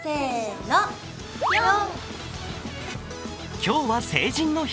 今日は成人の日。